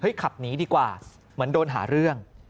เห้ยขับหนีดีกว่าเหมือนโดนหาร่วม